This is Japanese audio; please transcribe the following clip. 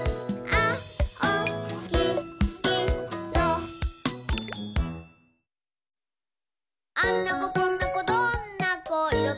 「あんな子こんな子どんな子いろ